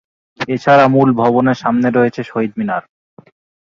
এছাড়া মূল ভবনের সামনে রয়েছে শহীদ মিনার।